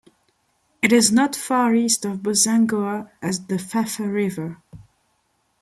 It is not far east of Bossangoa at the Fafa river.